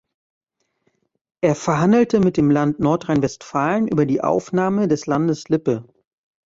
Er verhandelte mit dem Land Nordrhein-Westfalen über die Aufnahme des Landes Lippe.